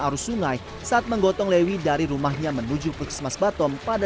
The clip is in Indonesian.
arus sungai saat menggotong lewi dari rumahnya menuju puskesmas batom pada